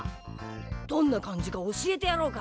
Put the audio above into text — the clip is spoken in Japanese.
どんな感じか教えてやろうか。